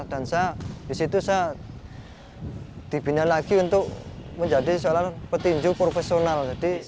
dan saya di situ saya dibina lagi untuk menjadi seorang petinju profesional